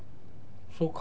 そうか。